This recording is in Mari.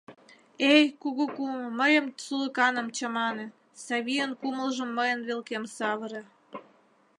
Эй, кугу кумо, мыйым, сулыканым, чамане, Савийын кумылжым мыйын велкем савыре.